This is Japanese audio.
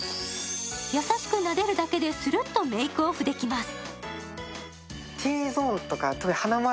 優しくなでるだけで、するっとメークオフできます。